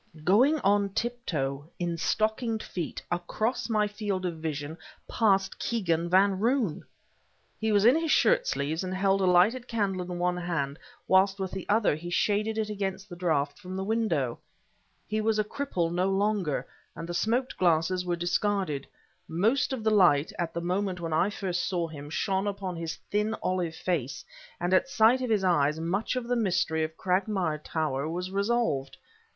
Going on tiptoe, in stockinged feet, across my field of vision, passed Kegan Van Roon! He was in his shirt sleeves and held a lighted candle in one hand whilst with the other he shaded it against the draught from the window. He was a cripple no longer, and the smoked glasses were discarded; most of the light, at the moment when first I saw him, shone upon his thin, olive face, and at sight of his eyes much of the mystery of Cragmire Tower was resolved.